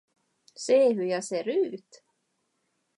Se hur jag ser ut!